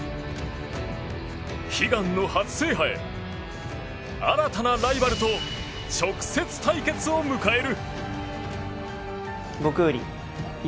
悲願の初制覇へ新たなライバルと直接対決を迎える。